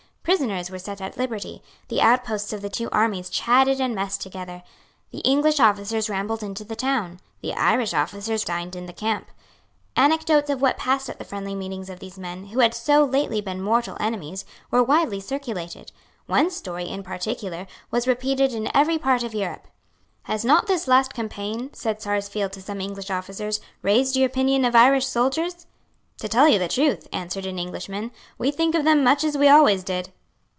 Prisoners were set at liberty. The outposts of the two armies chatted and messed together. The English officers rambled into the town. The Irish officers dined in the camp. Anecdotes of what passed at the friendly meetings of these men, who had so lately been mortal enemies, were widely circulated. One story, in particular, was repeated in every part of Europe. "Has not this last campaign," said Sarsfield to some English officers, "raised your opinion of Irish soldiers?" "To tell you the truth," answered an Englishman, "we think of them much as we always did."